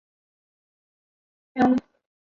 黄龙尾为蔷薇科龙芽草属下的一个变种。